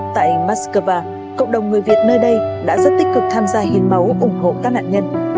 tại moscow cộng đồng người việt nơi đây đã rất tích cực tham gia hiến máu ủng hộ các nạn nhân